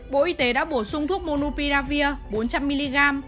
bộ y tế đã bổ sung thuốc monupiravir bốn trăm linh mg